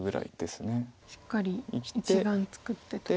しっかり１眼作ってと。